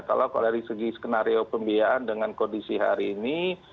kalau dari segi skenario pembiayaan dengan kondisi hari ini